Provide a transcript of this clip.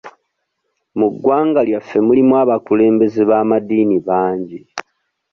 Mu ggwanga lyaffe mulimu abakulembeze b'amaddiini bangi.